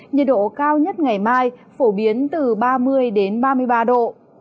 nhiệt độ cao nhất ngày mai phổ biến từ ba mươi đến ba mươi ba độ